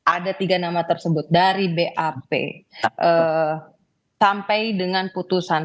ada tiga nama tersebut dari bap sampai dengan putusan